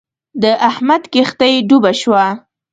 د احمد کښتی ډوبه شوه.